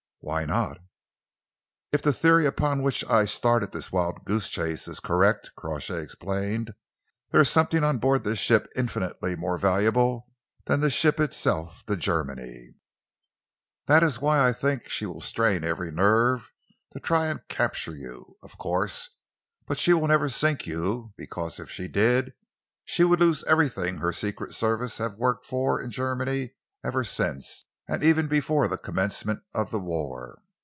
"Why not?" "If the theory upon which I started this wild goose chase is correct," Crawshay explained, "there is something on board this ship infinitely more valuable than the ship itself to Germany. That is why I think that she will strain every nerve to try and capture you, of course, but she will never sink you, because if she did she would lose everything her Secret Service have worked for in Germany ever since, and even before the commencement of the war."